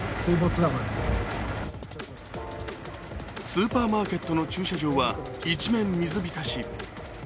スーパーマーケットの駐車場は一面水浸し。